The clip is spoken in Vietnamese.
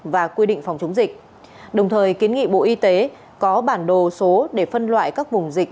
và quy định phòng chống dịch đồng thời kiến nghị bộ y tế có bản đồ số để phân loại các vùng dịch